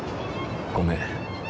ごめん。